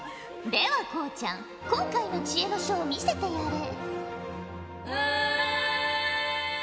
ではこうちゃん今回の知恵の書を見せてやれ。